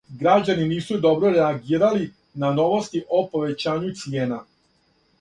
Граđани нису добро реагирали на новости о повећању цијена.